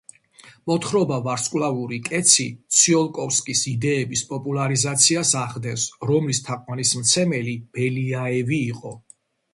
მოთხრობა „ვარსკვლავი კეცი“ ციოლკოვსკის იდეების პოპულარიზაციას ახდენს, რომლის თაყვანისმცემელი ბელიაევი იყო.